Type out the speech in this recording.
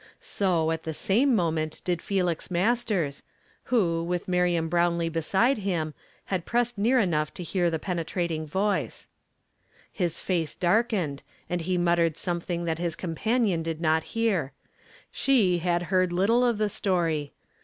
So, at the same moment, did Felix Masters, who, with Miriam Brownlee beside him, had pressed near enough to hear the penetrating voice. His face darkened, and he muttered something that liis companion did not hear ; she had heard n j f 208 YESTEUDAY FRAMED IN T0 1)AY. little of the story.